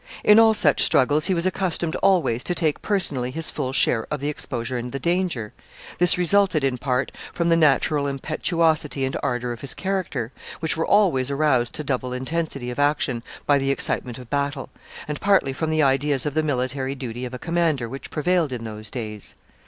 In all such struggles he was accustomed always to take personally his full share of the exposure and the danger. This resulted in part from the natural impetuosity and ardor of his character, which were always aroused to double intensity of action by the excitement of battle, and partly from the ideas of the military duty of a commander which prevailed in those days.